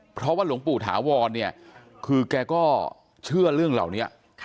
เพราะว่าหลวงปู่ถาวรเนี่ยคือแกก็เชื่อเรื่องเหล่านี้